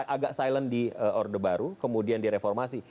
agak silent di orde baru kemudian direformasi